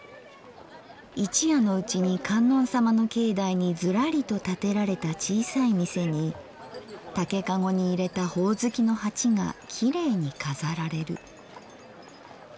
一夜のうちに観音さまの境内にズラリと建てられた小さい店に竹籠にいれたほおずきの鉢がきれいにかざられる。